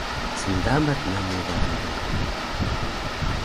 Sndamac namu bale duri